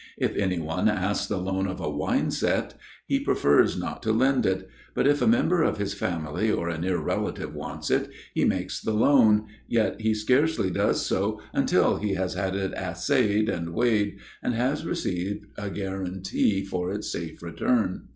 If any one asks the loan of a wine set, he prefers not to lend it; but if a member of his family or a near relative wants it, he makes the loan; yet he scarcely does so until he has had it assayed and weighed and has received a guarantee for its safe return.